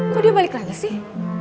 kok dia balik lagi sih